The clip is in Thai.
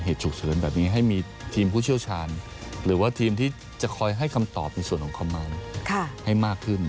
ฉุกเฉินแบบนี้ให้มีทีมผู้เชี่ยวชาญหรือว่าทีมที่จะคอยให้คำตอบในส่วนของความเมาให้มากขึ้น